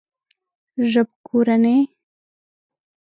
ژبکورنۍ